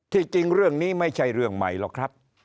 จริงเรื่องนี้ไม่ใช่เรื่องใหม่หรอกครับ